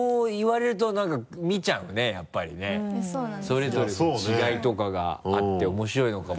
それぞれの違いとかがあって面白いのかも。